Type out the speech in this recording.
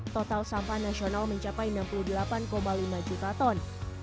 total sampah nasional mencapai enam puluh delapan lima juta ton